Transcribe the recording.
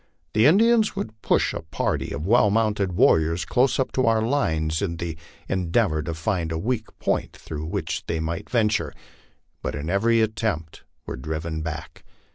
The Indians would push a party of well mounted warriors close up to our lines in the en deavor to find a weak point through which they might venture, but in every attempt were driven back.